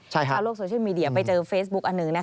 ชาวโลกโซเชียลมีเดียไปเจอเฟซบุ๊คอันหนึ่ง